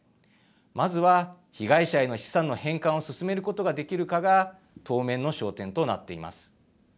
まずは被害者への資産の返還を進めることができるかが当面の焦点となっています。